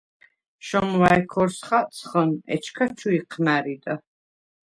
შომვა̄̈ჲ ქორს ხაწხჷნ, ეჩქას ჩუ იჴმა̈რდა.